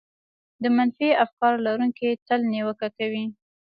د منفي افکارو لرونکي تل نيوکه کوي.